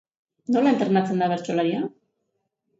Nola entrenatzen da bertsolaria?